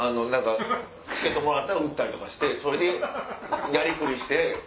チケットもらったら売ったりとかしてやりくりして。